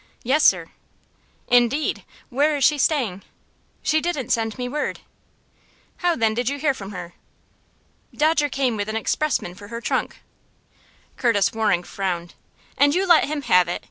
"Yes, sir." "Indeed! Where is she staying?" "She didn't send me word." "How, then, did you hear from her?" "Dodger came with an expressman for her trunk." Curtis Waring frowned. "And you let him have it?"